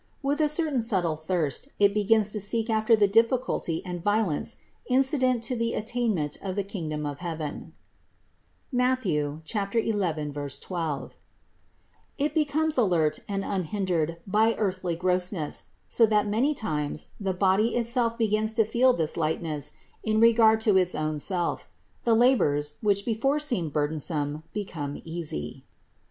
With a certain subtle thirst it begins to seek after all the difficulty and violence incident to the attainment of the kingdom of heaven (Matth. 11, 12); it becomes alert and unhindered by earthly grossness, so that many times the body itself be gins to feel this lightness in regard to its own self; the labors, which before seemed burdensome, become easy.